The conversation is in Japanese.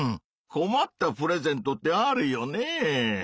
こまったプレゼントってあるよねぇ。